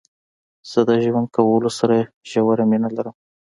زه د ژوند کولو سره ژوره مينه لرم.